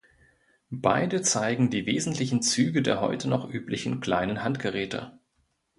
Beide zeigen die wesentlichen Züge der heute noch üblichen kleinen Handgeräte.